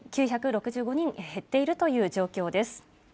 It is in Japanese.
９６５人減っているという状況です。